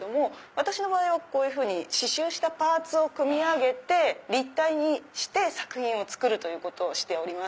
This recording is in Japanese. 私の場合はこういうふうに刺繍したパーツを組み上げて立体にして作品を作るということをしております。